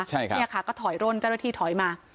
เนี่ยค่ะก็ถอยร่วนเจ้าหน้าที่ถอยมา